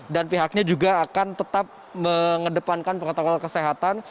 dan pihaknya juga akan tetap mengedepankan protokol kesehatan